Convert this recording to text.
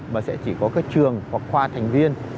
mà sẽ chỉ có các trường hoặc khoa thành viên